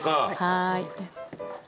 はい。